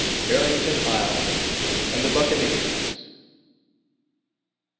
BARRINGTON ISLE AND THE BUCCANEERS.